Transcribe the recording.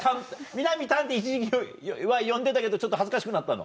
美波たんって一時期は呼んでたけどちょっと恥ずかしくなったの？